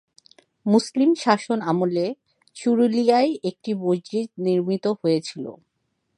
মুসলিম শাসন আমলে চুরুলিয়ায় একটি মসজিদ নির্মিত হয়েছিল।